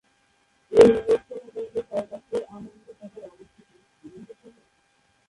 এই লোকসভা কেন্দ্রের সদর দফতর আনন্দ শহরে অবস্থিত।